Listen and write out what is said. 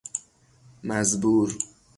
مزبور